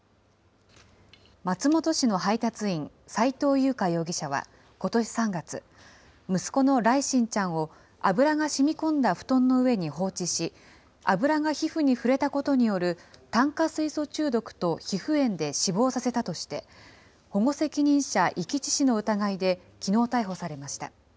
松本市の配達員、斉藤優花容疑者は、ことし３月、息子の來心ちゃんを、油がしみこんだ布団の上に放置し、油が皮膚に触れたことによる炭化水素中毒と皮膚炎で死亡させたとして、保護責任者遺棄致死の疑いできのう逮捕されました。